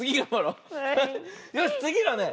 よしつぎはね